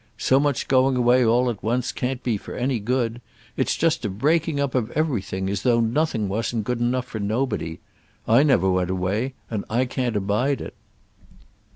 So much going away all at once can't be for any good. It's just a breaking up of everything, as though nothing wasn't good enough for nobody. I never went away, and I can't abide it."